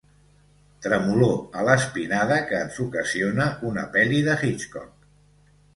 Tremolor a l'espinada que ens ocasiona una pel·li de Hitchcock.